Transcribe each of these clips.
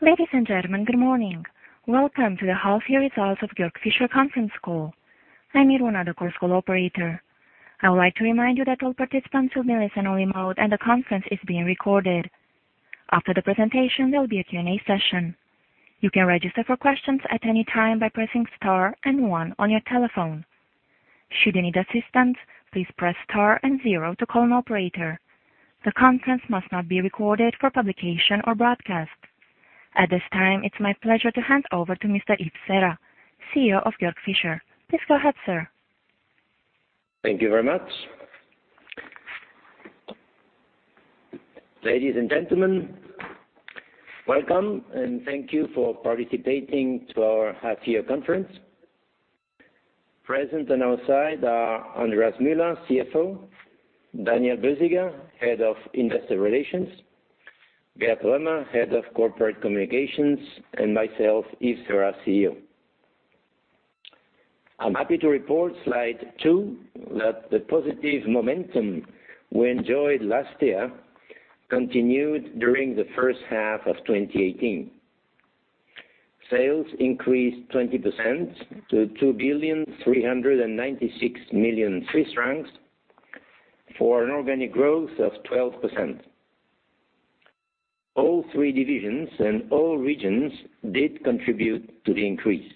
Ladies and gentlemen, good morning. Welcome to the half year results of Georg Fischer conference call. I'm Irwana, the Chorus Call operator. I would like to remind you that all participants will be listened only mode and the conference is being recorded. After the presentation, there'll be a Q&A session. You can register for questions at any time by pressing star and One on your telephone. Should you need assistance, please press Star and Zero to call an operator. The conference must not be recorded for publication or broadcast. At this time, it's my pleasure to hand over to Mr. Yves Serra, CEO of Georg Fischer. Please go ahead, sir. Thank you very much. Ladies and gentlemen, welcome, and thank you for participating to our half year conference. Present on our side are Andreas Müller, CFO, Daniel Bösiger, Head of Investor Relations, Beat Römer, Head of Corporate Communications, and myself, Yves Serra, CEO. I'm happy to report, slide two, that the positive momentum we enjoyed last year continued during the first half of 2018. Sales increased 20% to 2,396 million for an organic growth of 12%. All three divisions and all regions did contribute to the increase.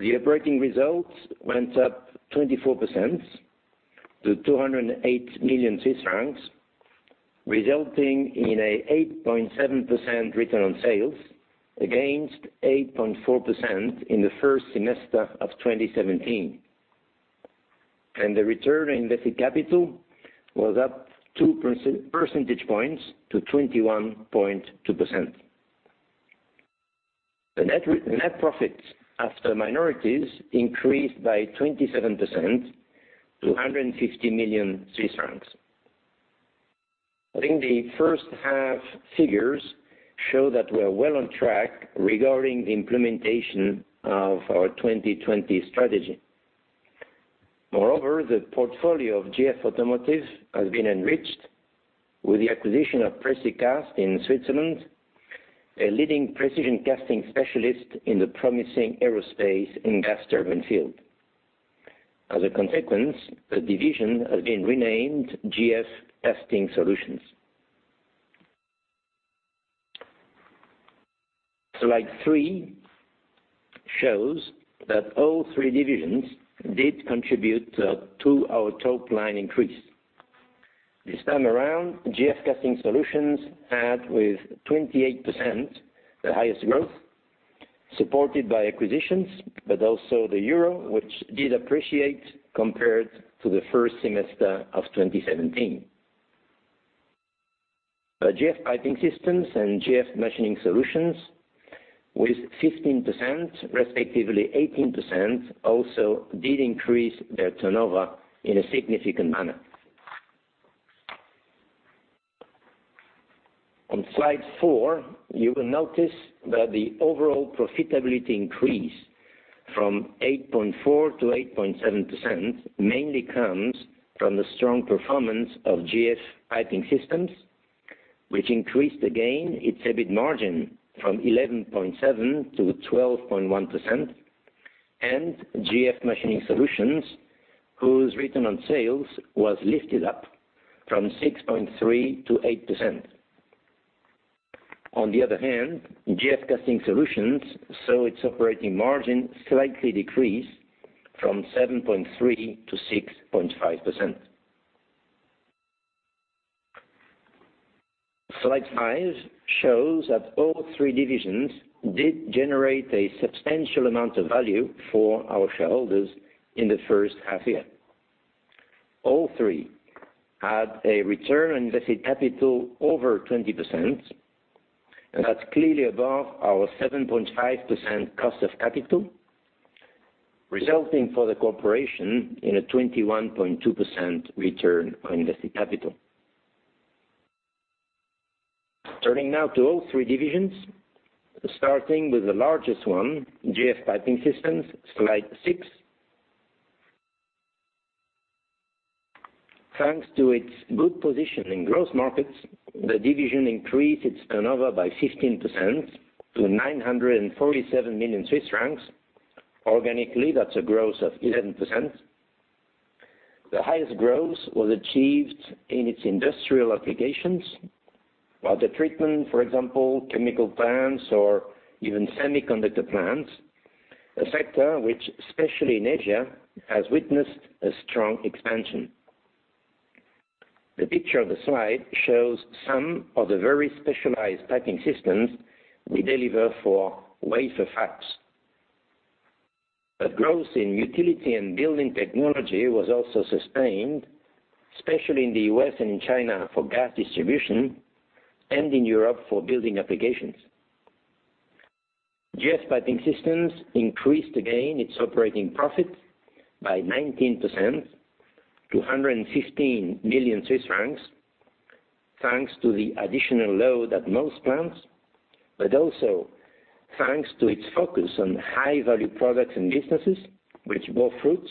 The operating results went up 24% to CHF 208 million, resulting in an 8.7% return on sales against 8.4% in the first semester of 2017. The return on invested capital was up two percentage points to 21.2%. The net profit after minorities increased by 27% to 150 million Swiss francs. I think the first half figures show that we're well on track regarding the implementation of our 2020 strategy. Moreover, the portfolio of GF Automotive has been enriched with the acquisition of Precicast in Switzerland, a leading precision casting specialist in the promising aerospace and gas turbine field. As a consequence, the division has been renamed GF Casting Solutions. Slide three shows that all three divisions did contribute to our top line increase. This time around, GF Casting Solutions had with 28% the highest growth supported by acquisitions, but also the EUR, which did appreciate compared to the first semester of 2017. GF Piping Systems and GF Machining Solutions with 15%, respectively 18%, also did increase their turnover in a significant manner. On slide four, you will notice that the overall profitability increase from 8.4% to 8.7% mainly comes from the strong performance of GF Piping Systems, which increased again its EBIT margin from 11.7% to 12.1%, and GF Machining Solutions, whose return on sales was lifted up from 6.3% to 8%. On the other hand, GF Casting Solutions saw its operating margin slightly decrease from 7.3% to 6.5%. Slide five shows that all three divisions did generate a substantial amount of value for our shareholders in the first half year. All three had a return on invested capital over 20%, and that's clearly above our 7.5% cost of capital, resulting for the corporation in a 21.2% return on invested capital. Turning now to all three divisions, starting with the largest one, GF Piping Systems, slide six. Thanks to its good position in growth markets, the division increased its turnover by 15% to 947 million Swiss francs. Organically, that's a growth of 11%. The highest growth was achieved in its industrial applications. While the treatment, for example, chemical plants or even semiconductor plants, a sector which especially in Asia, has witnessed a strong expansion. The picture of the slide shows some of the very specialized piping systems we deliver for wafer fabs. A growth in utility and building technology was also sustained, especially in the U.S. and in China for gas distribution and in Europe for building applications. GF Piping Systems increased again its operating profit by 19% to 116 million Swiss francs, thanks to the additional load at most plants, but also thanks to its focus on high-value products and businesses, which bore fruits.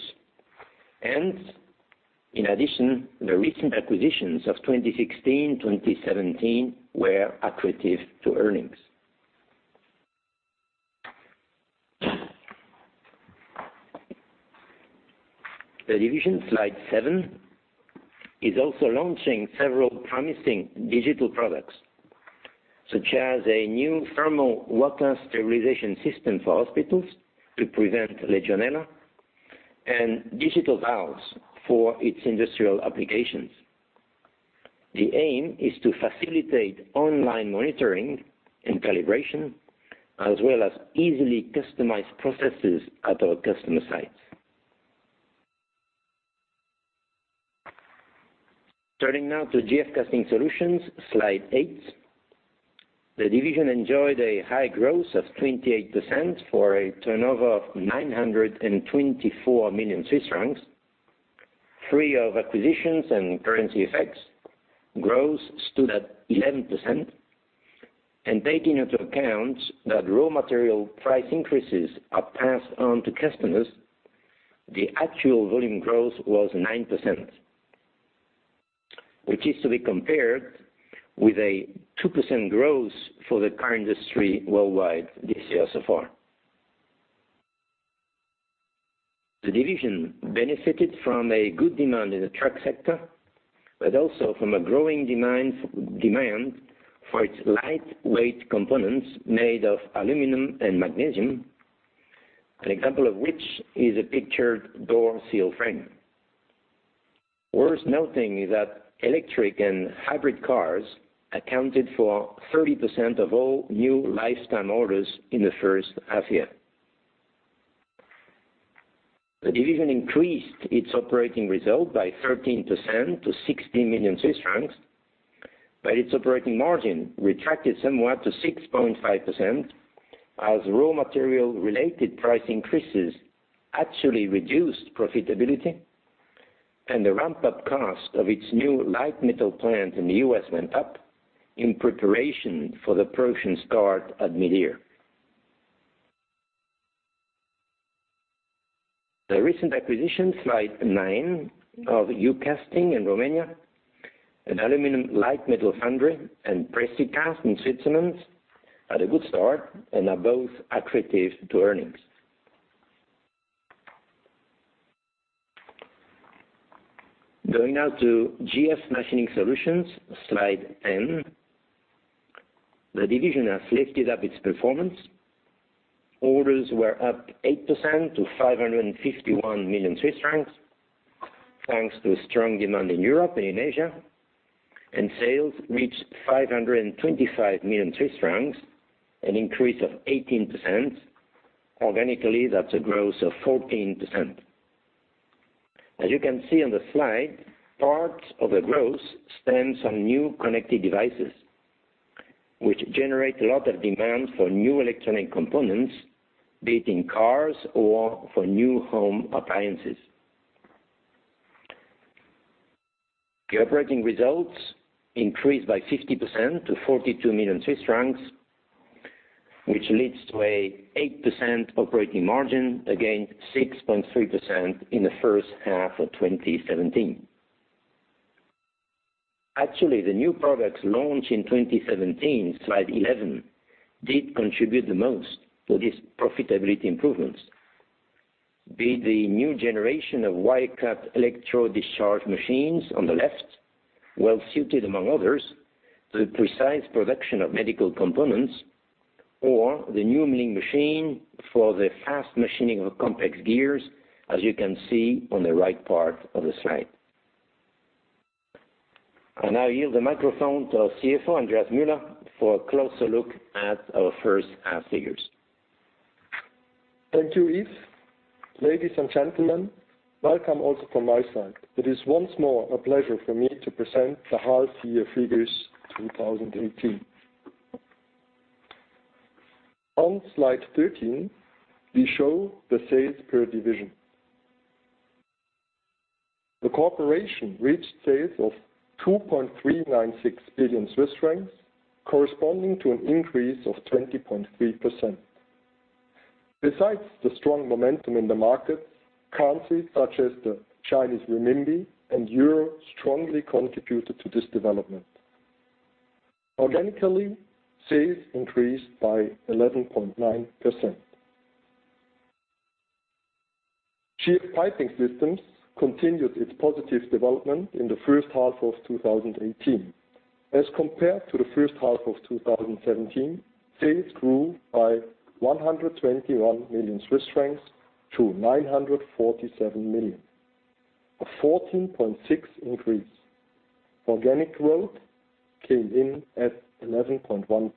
In addition, the recent acquisitions of 2016, 2017 were accretive to earnings. The division, slide seven, is also launching several promising digital products, such as a new thermal water sterilization system for hospitals to prevent Legionella and digital valves for its industrial applications. The aim is to facilitate online monitoring and calibration, as well as easily customize processes at our customer sites. Turning now to GF Casting Solutions, slide eight. The division enjoyed a high growth of 28% for a turnover of 924 million Swiss francs. Free of acquisitions and currency effects, growth stood at 11%. Taking into account that raw material price increases are passed on to customers, the actual volume growth was 9%, which is to be compared with a 2% growth for the car industry worldwide this year so far. The division benefited from a good demand in the truck sector, but also from a growing demand for its lightweight components made of aluminum and magnesium. An example of which is a pictured door seal frame. Worth noting is that electric and hybrid cars accounted for 30% of all new lifetime orders in the first half year. The division increased its operating result by 13% to 60 million Swiss francs, but its operating margin retracted somewhat to 6.5% as raw material-related price increases actually reduced profitability and the ramp-up cost of its new light metal plant in the U.S. went up in preparation for the production start at mid-year. The recent acquisition, slide nine, of Eucasting in Romania, an aluminum light metal foundry, and Precicast in Switzerland, had a good start and are both accretive to earnings. Going now to GF Machining Solutions, slide 10. The division has lifted up its performance. Orders were up 8% to 551 million Swiss francs, thanks to strong demand in Europe and in Asia. Sales reached 525 million Swiss francs, an increase of 18%. Organically, that's a growth of 14%. As you can see on the slide, part of the growth stems from new connected devices, which generate a lot of demand for new electronic components, be it in cars or for new home appliances. The operating results increased by 50% to 42 million, which leads to an 8% operating margin, against 6.3% in the first half of 2017. The new products launched in 2017, slide 11, did contribute the most to this profitability improvements. Be it the new generation of wire cut electro discharge machines on the left, well suited among others, to the precise production of medical components, or the new milling machine for the fast machining of complex gears, as you can see on the right part of the slide. I now yield the microphone to our CFO, Andreas Müller, for a closer look at our first half figures. Thank you, Yves. Ladies and gentlemen, welcome also from my side. It is once more a pleasure for me to present the half year figures 2018. On slide 13, we show the sales per division. The corporation reached sales of 2.396 billion Swiss francs, corresponding to an increase of 20.3%. Besides the strong momentum in the markets, currencies such as the Chinese renminbi and euro strongly contributed to this development. Organically, sales increased by 11.9%. GF Piping Systems continued its positive development in the first half of 2018. As compared to the first half of 2017, sales grew by 121 million Swiss francs to 947 million, a 14.6% increase. Organic growth came in at 11.1%.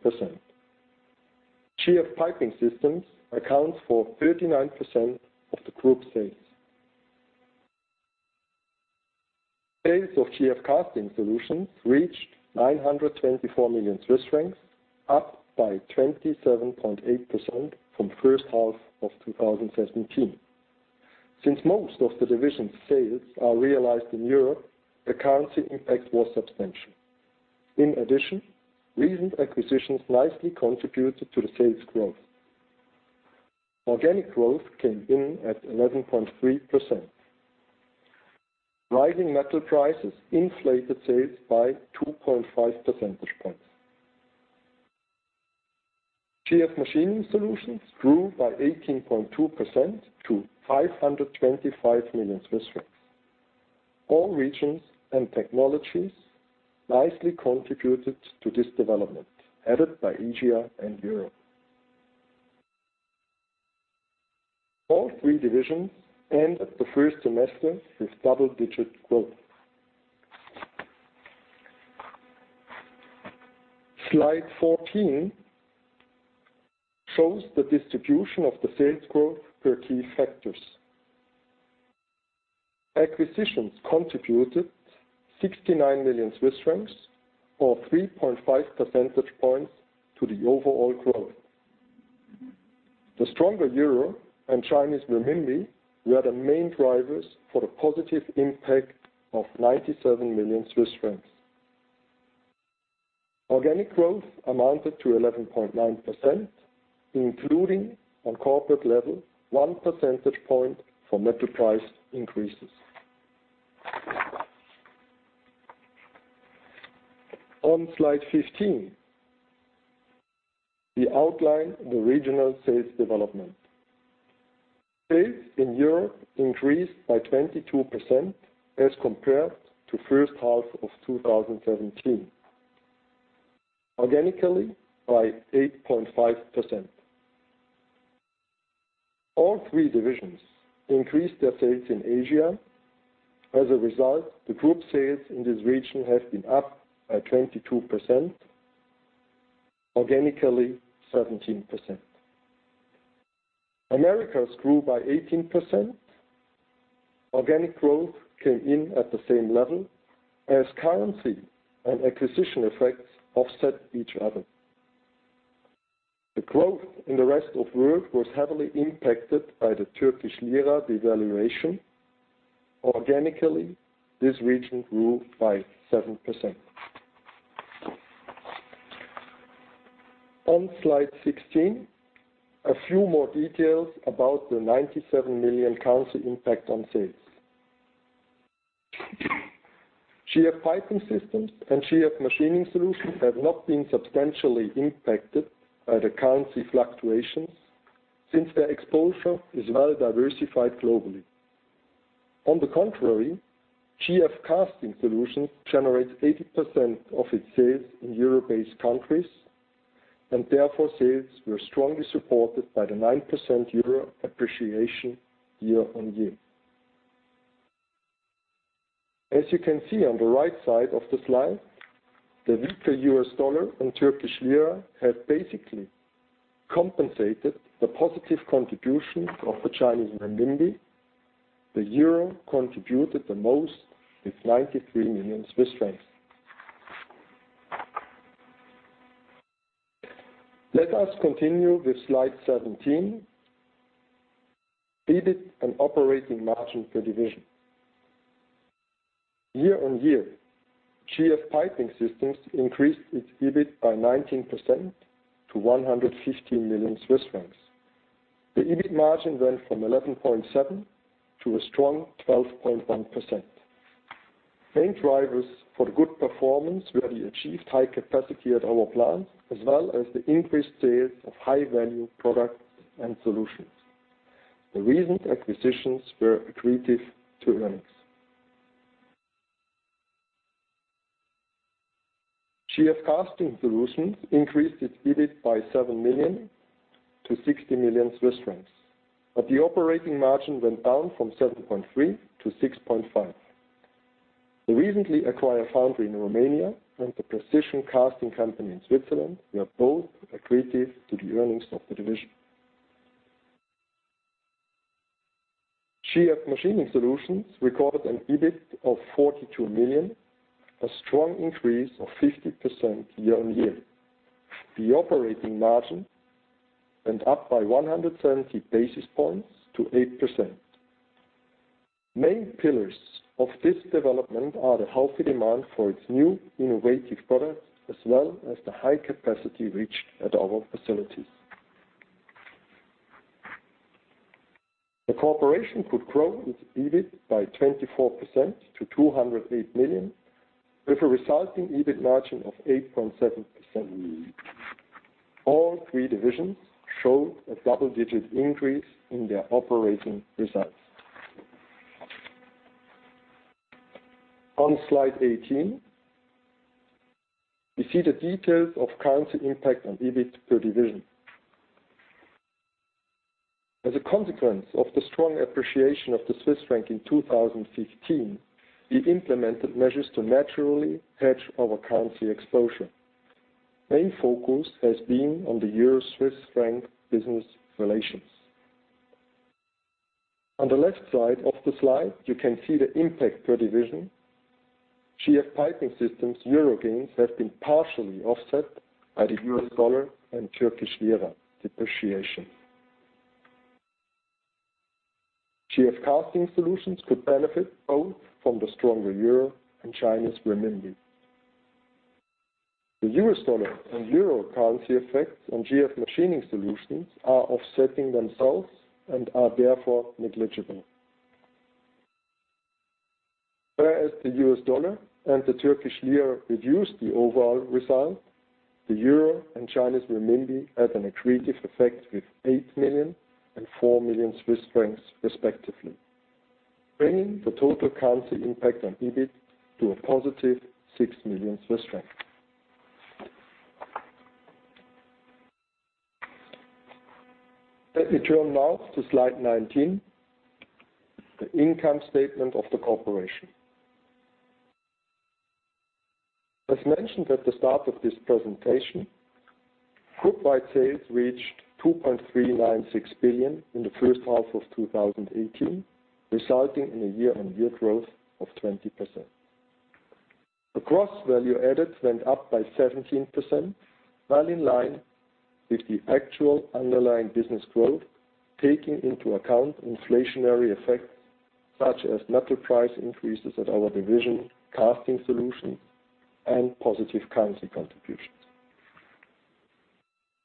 GF Piping Systems accounts for 39% of the group sales. Sales of GF Casting Solutions reached 924 million Swiss francs, up by 27.8% from first half of 2017. Since most of the division's sales are realized in Europe, the currency impact was substantial. In addition, recent acquisitions nicely contributed to the sales growth. Organic growth came in at 11.3%. Rising metal prices inflated sales by 2.5 percentage points. GF Machining Solutions grew by 18.2% to 525 million Swiss francs. All regions and technologies nicely contributed to this development, headed by Asia and Europe. All three divisions end the first semester with double-digit growth. Slide 14 shows the distribution of the sales growth per key factors. Acquisitions contributed 69 million Swiss francs or 3.5 percentage points to the overall growth. The stronger euro and Chinese renminbi were the main drivers for the positive impact of 97 million Swiss francs. Organic growth amounted to 11.9%, including on corporate level, one percentage point for metal price increases. On slide 15, we outline the regional sales development. Sales in Europe increased by 22% as compared to first half of 2017. Organically, by 8.5%. All three divisions increased their sales in Asia. As a result, the group sales in this region have been up by 22%, organically 17%. Americas grew by 18%. Organic growth came in at the same level as currency and acquisition effects offset each other. The growth in the rest of world was heavily impacted by the Turkish lira devaluation. Organically, this region grew by 7%. On slide 16, a few more details about the 97 million currency impact on sales. GF Piping Systems and GF Machining Solutions have not been substantially impacted by the currency fluctuations since their exposure is well-diversified globally. On the contrary, GF Casting Solutions generates 80% of its sales in Europe-based countries, and therefore, sales were strongly supported by the 9% euro appreciation year-on-year. As you can see on the right side of the slide, the weaker US dollar and Turkish lira have basically compensated the positive contribution of the Chinese renminbi. The euro contributed the most with 93 million Swiss francs. Let us continue with Slide 17, EBIT and operating margin per division. Year-on-year, GF Piping Systems increased its EBIT by 19% to 115 million Swiss francs. The EBIT margin went from 11.7% to a strong 12.1%. Main drivers for the good performance were the achieved high capacity at our plants, as well as the increased sales of high-value products and solutions. The recent acquisitions were accretive to earnings. GF Casting Solutions increased its EBIT by 7 million to 60 million Swiss francs, but the operating margin went down from 7.3% to 6.5%. The recently acquired foundry in Romania and the precision casting company in Switzerland were both accretive to the earnings of the division. GF Machining Solutions recorded an EBIT of 42 million, a strong increase of 50% year-on-year. The operating margin went up by 170 basis points to 8%. Main pillars of this development are the healthy demand for its new innovative products, as well as the high capacity reached at our facilities. The corporation could grow its EBIT by 24% to 208 million, with a resulting EBIT margin of 8.7% year-on-year. All three divisions show a double-digit increase in their operating results. On Slide 18, we see the details of currency impact on EBIT per division. As a consequence of the strong appreciation of the Swiss franc in 2015, we implemented measures to naturally hedge our currency exposure. Main focus has been on the euro-Swiss franc business relations. On the left side of the slide, you can see the impact per division. GF Piping Systems euro gains have been partially offset by the US dollar and Turkish lira depreciation. GF Casting Solutions could benefit both from the stronger euro and Chinese renminbi. The US dollar and euro currency effects on GF Machining Solutions are offsetting themselves and are therefore negligible. Whereas the US dollar and the Turkish lira reduced the overall result, the euro and Chinese renminbi had an accretive effect with 8 million and 4 million Swiss francs respectively, bringing the total currency impact on EBIT to a positive 6 million Swiss franc. Let me turn now to Slide 19, the income statement of the corporation. As mentioned at the start of this presentation, group-wide sales reached 2.396 billion in the first half of 2018, resulting in a year-on-year growth of 20%. The gross value added went up by 17%, while in line with the actual underlying business growth, taking into account inflationary effects such as metal price increases at our division Casting Solutions and positive currency contributions.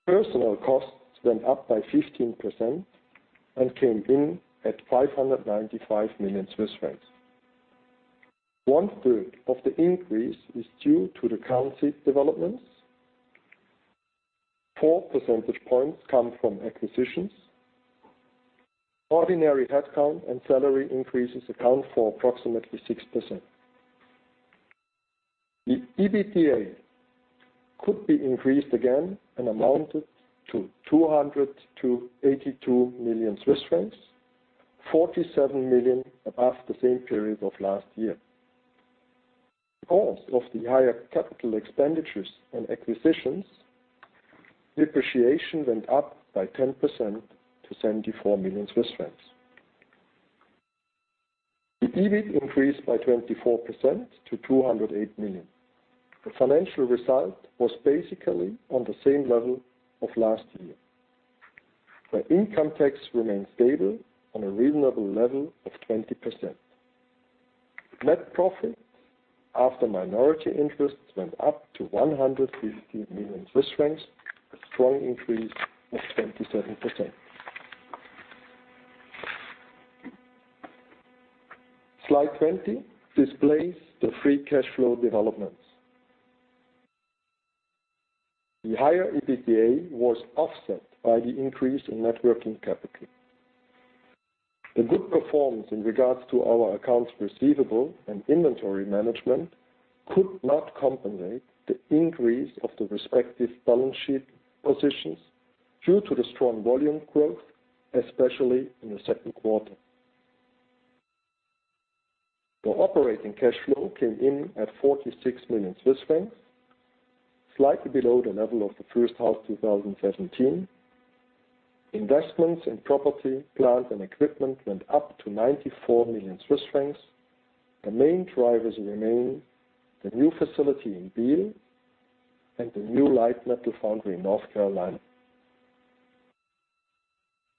Personnel costs went up by 15% and came in at 595 million Swiss francs. One third of the increase is due to the currency developments. Four percentage points come from acquisitions. Ordinary headcount and salary increases account for approximately 6%. The EBITDA could be increased again and amounted to 282 million Swiss francs, 47 million above the same period of last year. Because of the higher capital expenditures and acquisitions, depreciation went up by 10% to 74 million Swiss francs. The EBIT increased by 24% to 208 million. The financial result was basically on the same level of last year, where income tax remained stable on a reasonable level of 20%. Net profit after minority interests went up to 150 million Swiss francs, a strong increase of 27%. Slide 20 displays the free cash flow developments. The higher EBITDA was offset by the increase in net working capital. The good performance in regards to our accounts receivable and inventory management could not compensate the increase of the respective balance sheet positions due to the strong volume growth, especially in the second quarter. The operating cash flow came in at 46 million Swiss francs, slightly below the level of the first half 2017. Investments in property, plant, and equipment went up to 94 million Swiss francs. The main drivers remain the new facility in Biel and the new light metal foundry in North Carolina.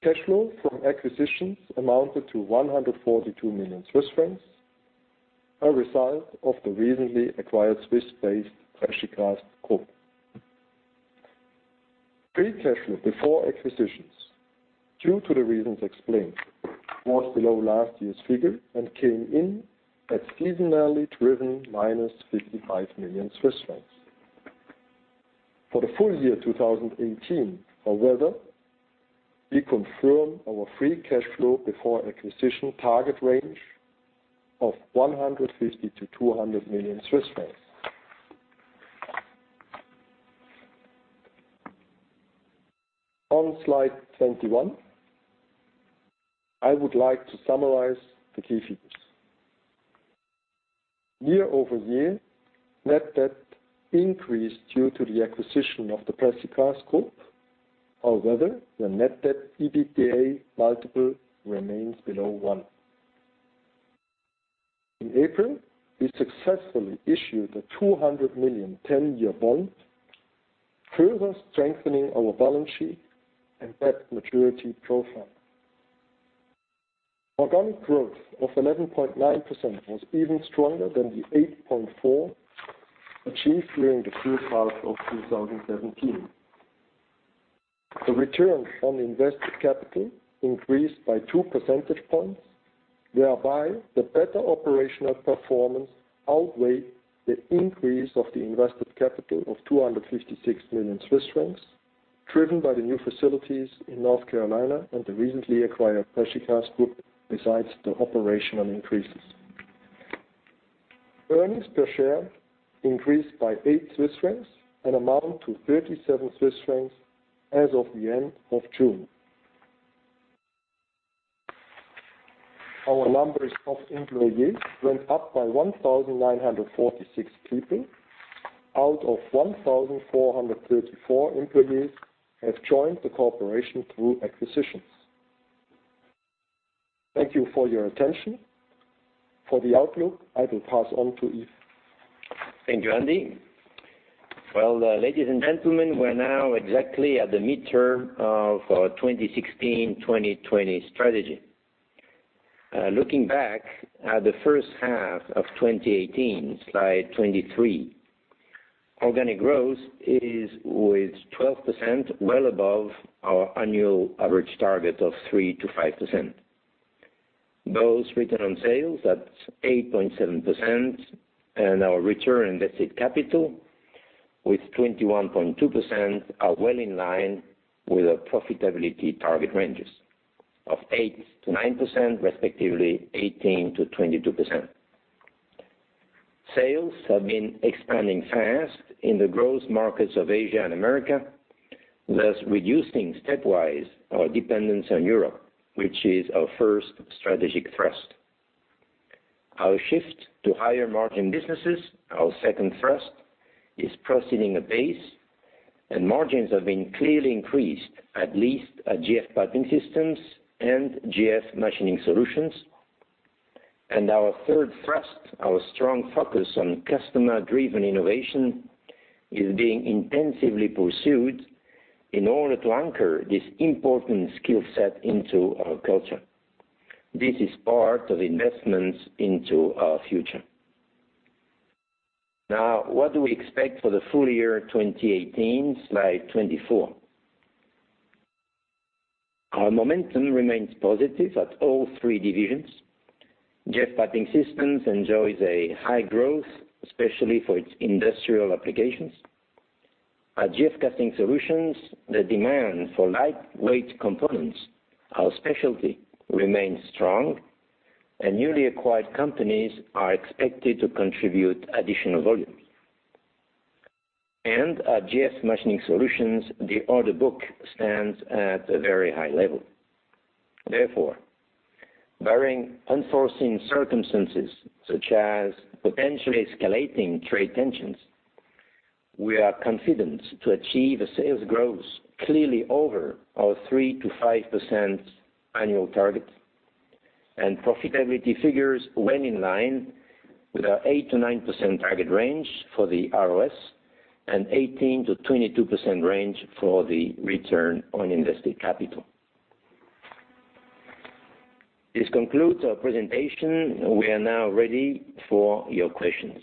Cash flow from acquisitions amounted to 142 million Swiss francs, a result of the recently acquired Swiss-based Precicast Group. Free cash flow before acquisitions, due to the reasons explained, was below last year's figure and came in at seasonally driven minus 55 million Swiss francs. For the full year 2018, however, we confirm our free cash flow before acquisition target range of CHF 150 million-CHF 200 million. On slide 21, I would like to summarize the key figures. Year-over-year, net debt increased due to the acquisition of the Precicast Group. However, the net debt/EBITDA multiple remains below one. In April, we successfully issued a 200 million 10-year bond, further strengthening our balance sheet and debt maturity profile. Organic growth of 11.9% was even stronger than the 8.4% achieved during the first half of 2017. The return on invested capital increased by two percentage points, whereby the better operational performance outweighed the increase of the invested capital of 256 million Swiss francs, driven by the new facilities in North Carolina and the recently acquired Precicast Group, besides the operational increases. Earnings per share increased by 8 Swiss francs and amount to 37 Swiss francs as of the end of June. Our numbers of employees went up by 1,946 people, out of 1,434 employees have joined the corporation through acquisitions. Thank you for your attention. For the outlook, I will pass on to Yves. Thank you, Andi. Well, ladies and gentlemen, we are now exactly at the midterm of our 2016-2020 strategy. Looking back at the first half of 2018, slide 23. Organic growth is with 12%, well above our annual average target of 3%-5%. Both return on sales, that's 8.7%, and our return on invested capital with 21.2%, are well in line with our profitability target ranges of 8%-9%, respectively 18%-22%. Sales have been expanding fast in the growth markets of Asia and America, thus reducing stepwise our dependence on Europe, which is our first strategic thrust. Our shift to higher margin businesses, our second thrust, is proceeding apace, and margins have been clearly increased, at least at GF Piping Systems and GF Machining Solutions. Our third thrust, our strong focus on customer-driven innovation, is being intensively pursued in order to anchor this important skill set into our culture. This is part of investments into our future. What do we expect for the full year 2018? Slide 24. Our momentum remains positive at all three divisions. GF Piping Systems enjoys a high growth, especially for its industrial applications. At GF Casting Solutions, the demand for lightweight components, our specialty, remains strong, and newly acquired companies are expected to contribute additional volume. At GF Machining Solutions, the order book stands at a very high level. Therefore, barring unforeseen circumstances such as potentially escalating trade tensions, we are confident to achieve a sales growth clearly over our 3%-5% annual target. Profitability figures went in line with our 8%-9% target range for the ROS and 18%-22% range for the return on invested capital. This concludes our presentation. We are now ready for your questions.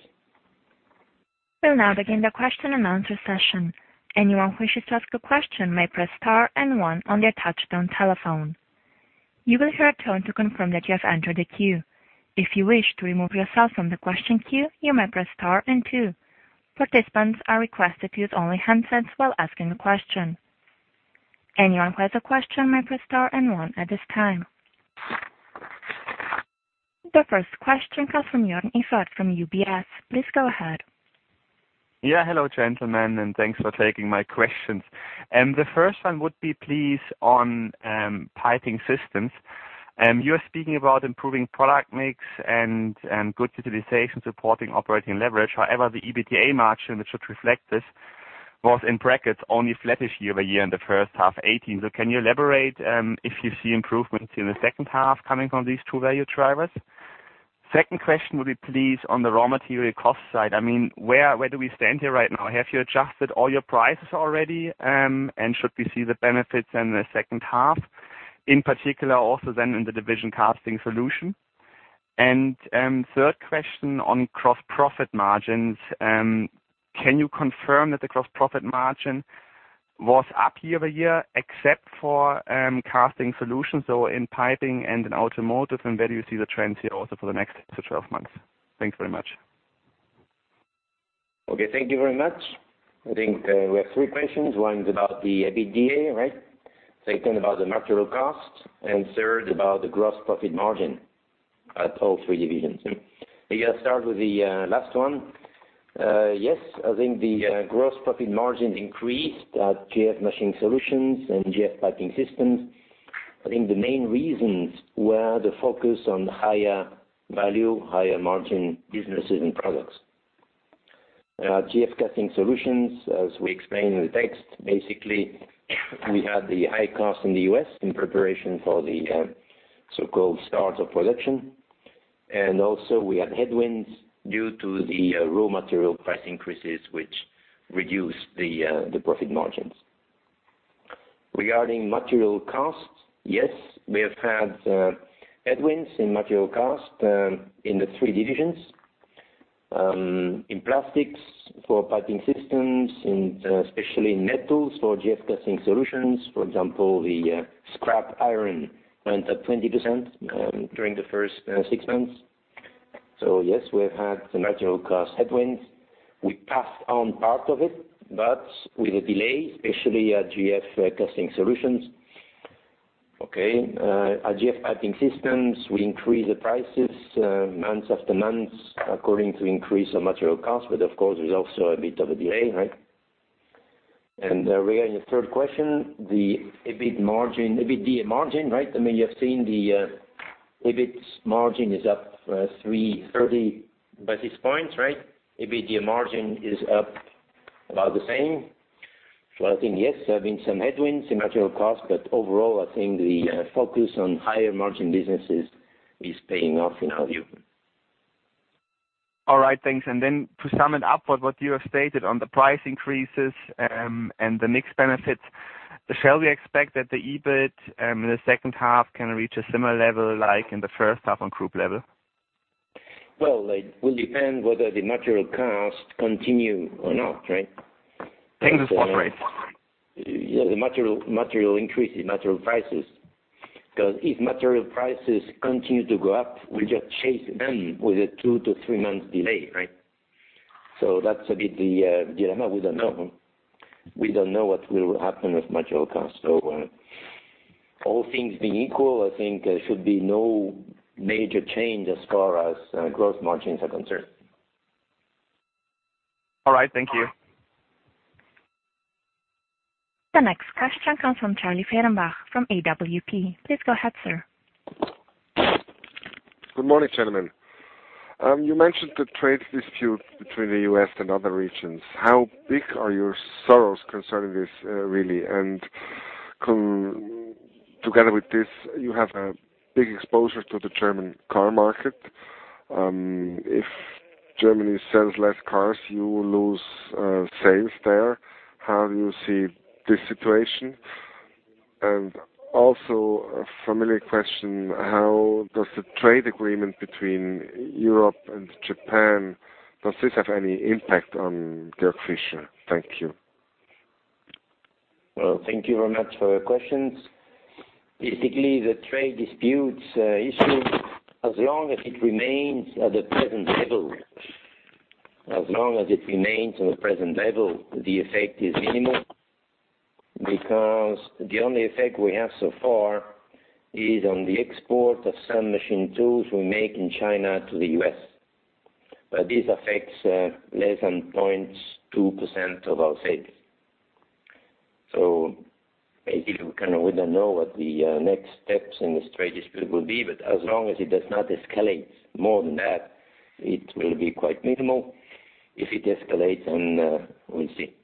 We'll now begin the question and answer session. Anyone who wishes to ask a question may press star and one on their touchtone telephone. You will hear a tone to confirm that you have entered the queue. If you wish to remove yourself from the question queue, you may press star and two. Participants are requested to use only handsets while asking a question. Anyone who has a question may press star and one at this time. The first question comes from Joern Iffert from UBS. Please go ahead. Hello, gentlemen, thanks for taking my questions. The first one would be please on piping systems. You're speaking about improving product mix and good utilization supporting operating leverage. However, the EBITDA margin, which should reflect this, was in brackets only flattish year-over-year in the first half 2018. Can you elaborate if you see improvements in the second half coming from these two value drivers? Second question would be please on the raw material cost side. Where do we stand here right now? Have you adjusted all your prices already, and should we see the benefits in the second half, in particular also then in the division casting solution? Third question on gross profit margins, can you confirm that the gross profit margin was up year-over-year except for casting solutions, so in piping and in automotive? Where do you see the trends here also for the next 12 months? Thanks very much. Okay, thank you very much. I think we have three questions. One is about the EBITDA, right? Second about the material cost, and third about the gross profit margin at all three divisions. Maybe I'll start with the last one. Yes, I think the gross profit margin increased at GF Machining Solutions and GF Piping Systems. I think the main reasons were the focus on higher value, higher margin businesses and products. At GF Casting Solutions, as we explained in the text, basically, we had the high cost in the U.S. in preparation for the so-called start of production. We had headwinds due to the raw material price increases, which reduced the profit margins. Regarding material costs, yes, we have had headwinds in material cost in the three divisions. In plastics for GF Piping Systems and especially in metals for GF Casting Solutions. For example, the scrap iron went up 20% during the first six months. Yes, we have had some material cost headwinds. We passed on part of it, but with a delay, especially at GF Casting Solutions. Okay. At GF Piping Systems, we increase the prices months after months according to increase of material cost. But of course, there's also a bit of a delay, right? Regarding the third question, the EBITDA margin, right? You have seen the EBIT margin is up 330 basis points, right? EBITDA margin is up about the same. I think yes, there have been some headwinds in material costs, but overall, I think the focus on higher margin businesses is paying off in our view. All right, thanks. Then to sum it up, what you have stated on the price increases and the mix benefits, shall we expect that the EBIT in the second half can reach a similar level like in the first half on group level? Well, it will depend whether the material costs continue or not, right? Things are spot rate. Yeah. The material increases, material prices. If material prices continue to go up, we just chase them with a two to three months delay, right? That's a bit the dilemma we don't know. We don't know what will happen with material costs. All things being equal, I think there should be no major change as far as gross margins are concerned. All right, thank you. The next question comes from Charlie Fehrenbach from AWP. Please go ahead, sir. Good morning, gentlemen. You mentioned the trade dispute between the U.S. and other regions. How big are your sorrows concerning this, really? Together with this, you have a big exposure to the German car market. If Germany sells less cars, you will lose sales there. How do you see this situation? Also a familiar question, how does the trade agreement between Europe and Japan, does this have any impact on Georg Fischer? Thank you. Well, thank you very much for your questions. Basically, the trade disputes issue, as long as it remains at the present level, the effect is minimal because the only effect we have so far is on the export of some machine tools we make in China to the U.S. This affects less than 0.2% of our sales. Basically, we don't know what the next steps in this trade dispute will be, but as long as it does not escalate more than that, it will be quite minimal. If it escalates, then we'll see.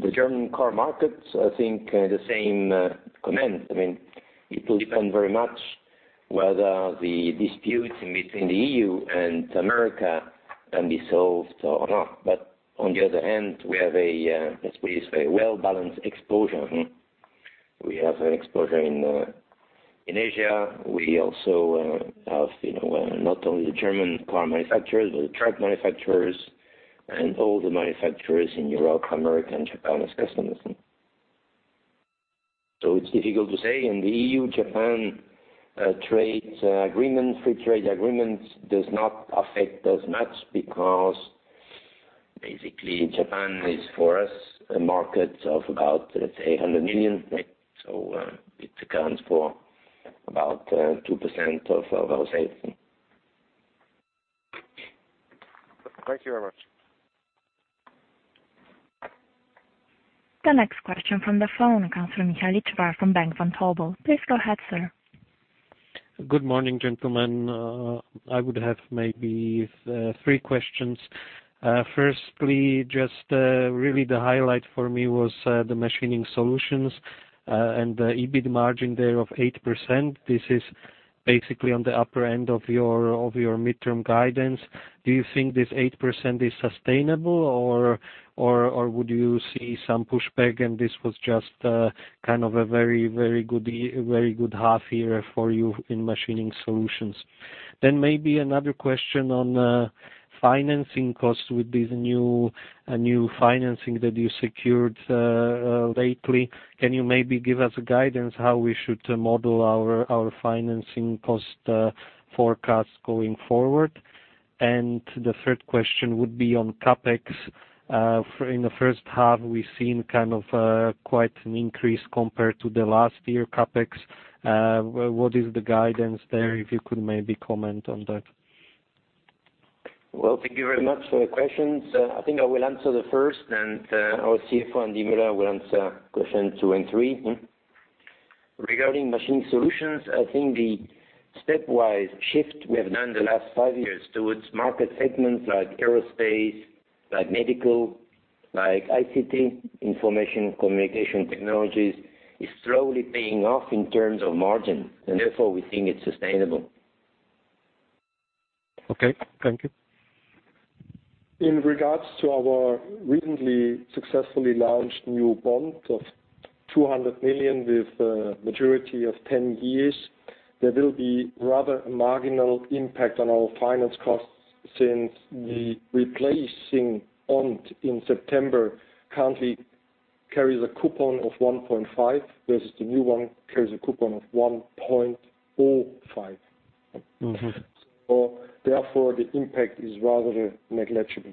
The German car markets, I think the same comment. It will depend very much whether the disputes between the EU and America can be solved or not. On the other hand, we have a, let's put it this way, well-balanced exposure. We have an exposure in Asia. We also have not only the German car manufacturers, but the truck manufacturers and all the manufacturers in Europe, America, and Japan as customers. It's difficult to say. In the EU, Japan free trade agreement does not affect us much because basically Japan is for us, a market of about, let's say, 100 million. It accounts for about 2% of our sales. Thank you very much. The next question from the phone comes from Michael Isberg from Bank Vontobel. Please go ahead, sir. Good morning, gentlemen. I would have maybe three questions. Firstly, just really the highlight for me was the Machining Solutions, and the EBIT margin there of 8%. This is basically on the upper end of your midterm guidance. Do you think this 8% is sustainable, or would you see some pushback and this was just kind of a very good half year for you in Machining Solutions? Maybe another question on financing costs with this new financing that you secured lately. Can you maybe give us a guidance how we should model our financing cost forecasts going forward? The third question would be on CapEx. In the first half, we've seen quite an increase compared to the last year CapEx. What is the guidance there, if you could maybe comment on that? Well, thank you very much for the questions. I think I will answer the first and our CFO Andreas Müller will answer question two and three. Regarding Machining Solutions, I think the stepwise shift we have done the last five years towards market segments like aerospace, like medical, like ICT, information communication technologies, is slowly paying off in terms of margin, and therefore we think it's sustainable. Okay. Thank you. In regards to our recently successfully launched new bond of 200 million with a maturity of 10 years, there will be rather a marginal impact on our finance costs since the replacing bond in September currently carries a coupon of 1.5% versus the new one carries a coupon of 1.05%. Therefore the impact is rather negligible.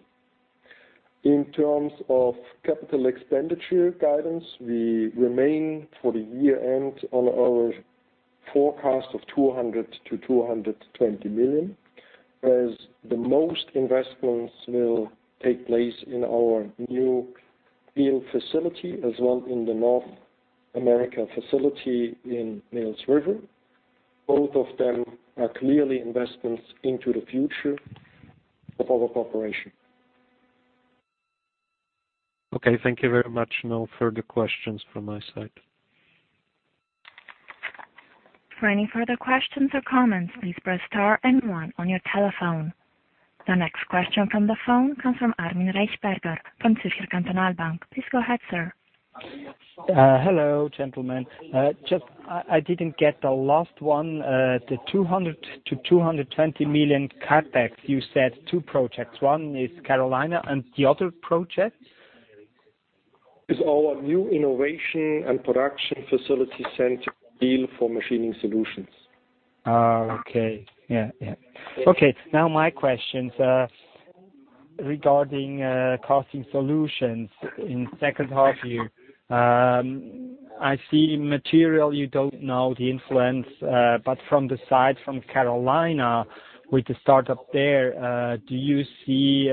In terms of capital expenditure guidance, we remain for the year end on our forecast of 200 million-220 million, whereas the most investments will take place in our new Biel facility as well in the North America facility in Mills River. Both of them are clearly investments into the future Of our corporation. Okay. Thank you very much. No further questions from my side. For any further questions or comments, please press star and one on your telephone. The next question from the phone comes from Armin Eichberger from Zürcher Kantonalbank. Please go ahead, sir. Hello, gentlemen. Just, I didn't get the last one, the 200 million-220 million CapEx, you said two projects. One is Carolina and the other project? Is our new innovation and production facility center Biel for Machining Solutions. My questions regarding casting solutions in second half year. I see material you don't know the influence, but from the side from Carolina, with the start up there, do you see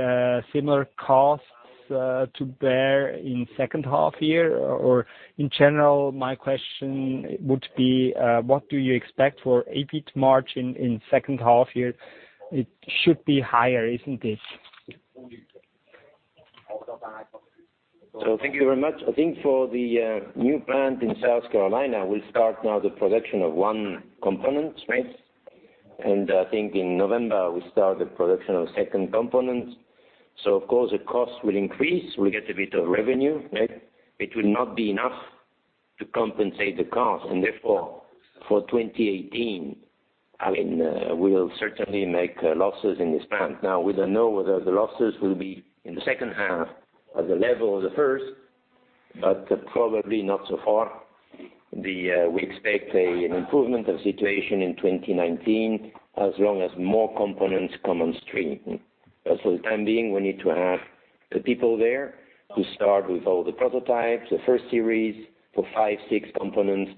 similar costs to bear in second half year? In general, my question would be, what do you expect for EBIT margin in second half year? It should be higher, isn't it? Thank you very much. I think for the new plant in South Carolina, we'll start the production of one component. Right? I think in November, we start the production of second component. Of course, the cost will increase. We get a bit of revenue. Right? It will not be enough to compensate the cost. Therefore, for 2018, I mean, we'll certainly make losses in this plant. We don't know whether the losses will be in the second half at the level of the first, but probably not so far. We expect an improvement of situation in 2019 as long as more components come on stream. For the time being, we need to have the people there to start with all the prototypes, the first series for five, six components,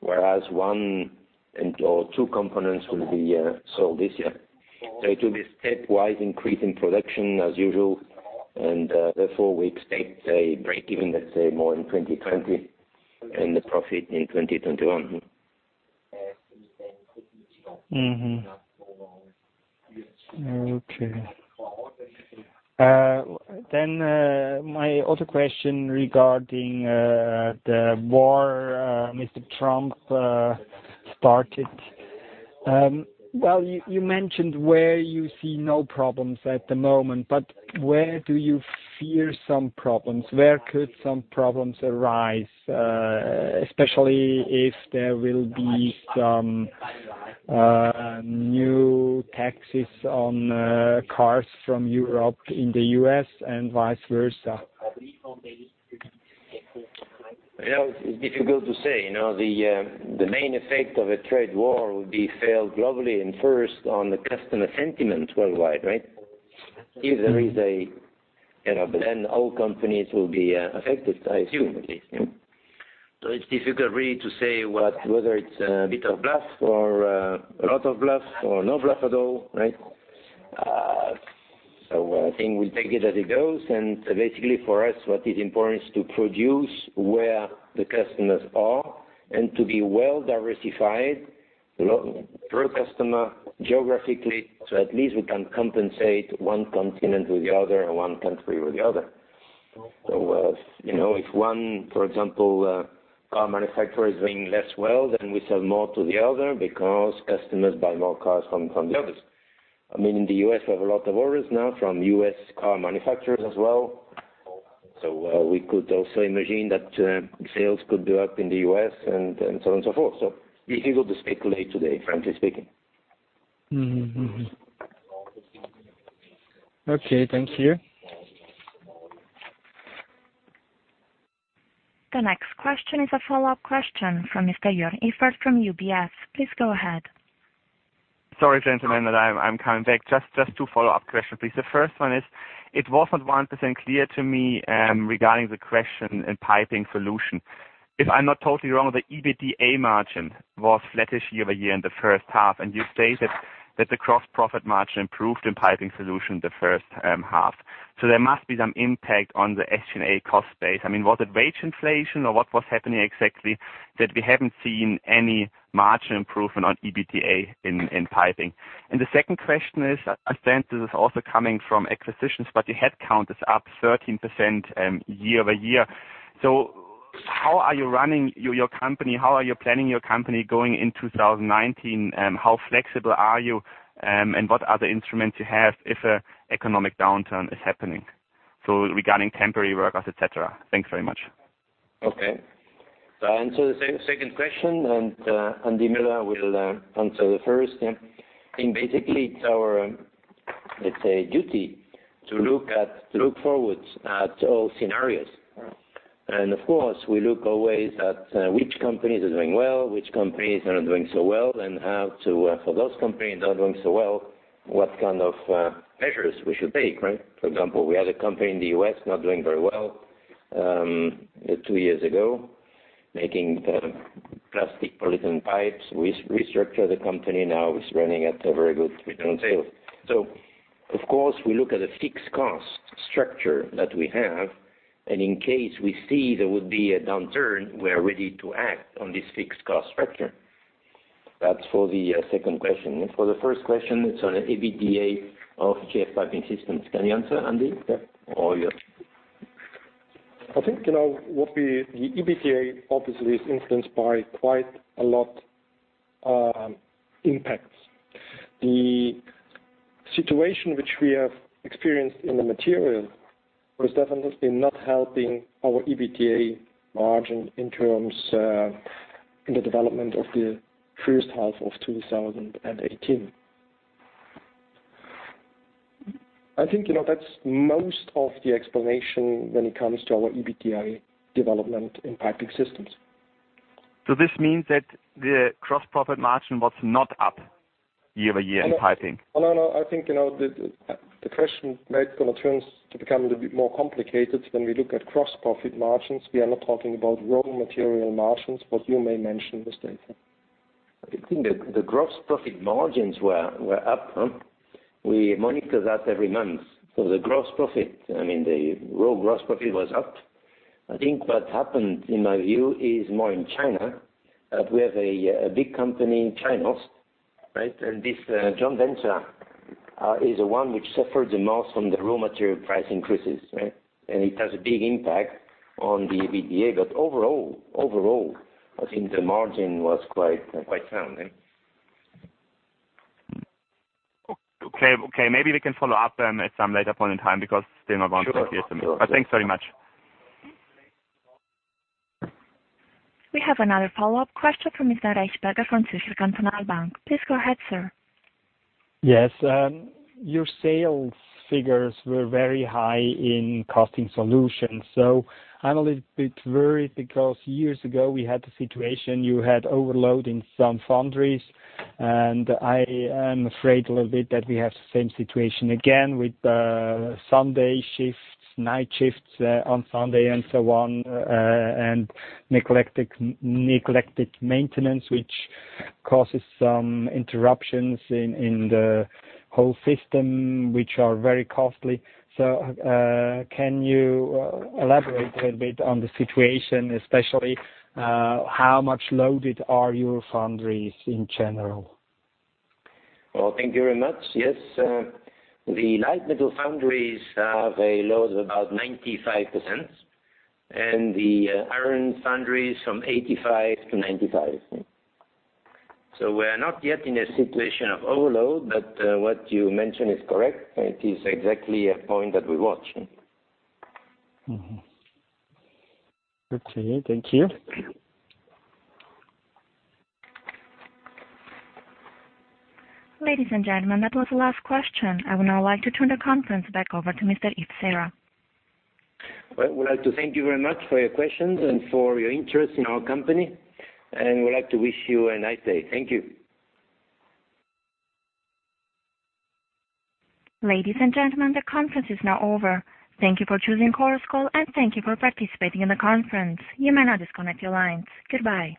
whereas one and or two components will be sold this year. It will be stepwise increase in production as usual, and therefore we expect a break-even, let's say, more in 2020 and the profit in 2021. My other question regarding the war Mr. Trump started. Well, you mentioned where you see no problems at the moment, but where do you fear some problems? Where could some problems arise, especially if there will be some new taxes on cars from Europe in the U.S. and vice versa? It is difficult to say. The main effect of a trade war would be felt globally and first on the customer sentiment worldwide, right? If there is a All companies will be affected, I assume. It is difficult really to say whether it is a bit of bluff or a lot of bluff or no bluff at all. Right? I think we take it as it goes. Basically for us, what is important is to produce where the customers are and to be well diversified per customer geographically, so at least we can compensate one continent with the other and one country with the other. If one, for example, car manufacturer is doing less well, then we sell more to the other because customers buy more cars from the others. I mean, in the U.S., we have a lot of orders now from U.S. car manufacturers as well. We could also imagine that sales could go up in the U.S. and so on and so forth. Difficult to speculate today, frankly speaking. Okay. Thank you. The next question is a follow-up question from Mr. Joern Iffert from UBS. Please go ahead. Sorry, gentlemen, that I'm coming back. Just two follow-up questions, please. The first one is, it wasn't 100% clear to me regarding the question in GF Piping Systems. If I'm not totally wrong, the EBITDA margin was flattish year-over-year in the first half, and you stated that the gross profit margin improved in GF Piping Systems the first half. There must be some impact on the SG&A cost base. I mean, was it wage inflation or what was happening exactly that we haven't seen any margin improvement on EBITDA in piping? The second question is, I sense this is also coming from acquisitions, but your headcount is up 13% year-over-year. How are you running your company? How are you planning your company going in 2019? How flexible are you, and what other instruments you have if an economic downturn is happening? Regarding temporary workers, et cetera. Thanks very much. Okay. I answer the second question, and Andreas Müller will answer the first. I think basically it's our, let's say, duty to look forwards at all scenarios. Of course, we look always at which companies are doing well, which companies are not doing so well, and have to, for those companies not doing so well, what kind of measures we should take, right? For example, we had a company in the U.S. not doing very well two years ago, making plastic polyethylene pipes. We restructured the company, now it's running at a very good return on sales. Of course, we look at the fixed cost structure that we have, and in case we see there would be a downturn, we are ready to act on this fixed cost structure. That's for the second question. For the first question, it's on EBITDA of GF Piping Systems. Can you answer, Andi? Yeah. Or you. I think, the EBITDA obviously is influenced by quite a lot impacts. The situation which we have experienced in the material was definitely not helping our EBITDA margin in terms in the development of the first half of 2018. I think, that's most of the explanation when it comes to our EBITDA development in Piping Systems. This means that the gross profit margin was not up year-over-year in Piping? Oh, no. I think, the question makes kind of turns to become a little bit more complicated when we look at gross profit margins. We are not talking about raw material margins, but you may mention this, Daniel. I think the gross profit margins were up. We monitor that every month. The gross profit, I mean, the raw gross profit was up. I think what happened in my view is more in China. We have a big company in China. This joint venture is the one which suffered the most from the raw material price increases. It has a big impact on the EBITDA. Overall, I think the margin was quite sound. Okay. Maybe we can follow up at some later point in time, because still not 100% clear to me. Sure. Thanks very much. We have another follow-up question from Mr. Eichberger from Zürcher Kantonalbank. Please go ahead, sir. Yes. Your sales figures were very high in Casting Solutions. I'm a little bit worried because years ago we had the situation, you had overload in some foundries, and I am afraid a little bit that we have the same situation again with Sunday shifts, night shifts on Sunday and so on, and neglected maintenance, which causes some interruptions in the whole system, which are very costly. Can you elaborate a little bit on the situation, especially how much loaded are your foundries in general? Well, thank you very much. Yes. The light metal foundries have a load of about 95%, and the iron foundries from 85%-95%. We're not yet in a situation of overload, but what you mentioned is correct. It is exactly a point that we watch. Okay. Thank you. Ladies and gentlemen, that was the last question. I would now like to turn the conference back over to Mr. Yves Serra. Well, I would like to thank you very much for your questions and for your interest in our company, and we like to wish you a nice day. Thank you. Ladies and gentlemen, the conference is now over. Thank you for choosing Chorus Call, and thank you for participating in the conference. You may now disconnect your lines. Goodbye.